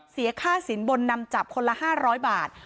เสียค่าสินบนนำจับคนละ๕๐๐บาท